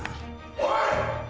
おい！